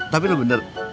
tapi lu bener